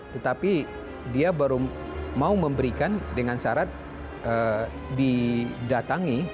tetapi dia baru mau memberikan dengan syarat didatangi